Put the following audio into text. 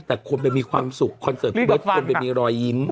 แต่คนไปมีความสุขคอนเสิร์ตพี่เบิร์ตควรไปมีรอยยิ้ม